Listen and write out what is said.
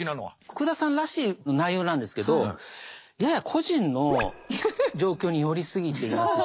福田さんらしい内容なんですけどやや個人の状況によりすぎていますし。